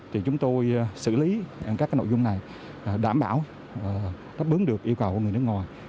thì chúng tôi xử lý các nội dung này đảm bảo đáp ứng được yêu cầu của người nước ngoài